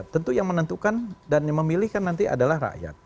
tentu yang menentukan dan memilihkan nanti adalah rakyat